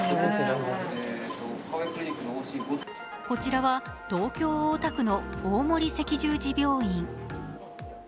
こちらは、東京・大田区の大森赤十字病院。